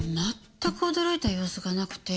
全く驚いた様子がなくて。